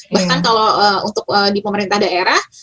bahkan kalau untuk di pemerintah daerah